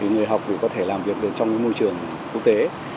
người học để có thể làm việc được trong môi trường quốc tế